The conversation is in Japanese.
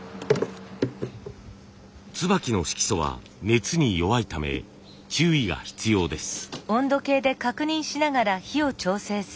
椿の色素は熱に弱いため注意が必要です。